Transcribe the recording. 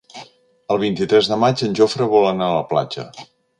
El vint-i-tres de maig en Jofre vol anar a la platja.